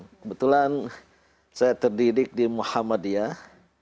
kebetulan saya terdidik di muhammadiyah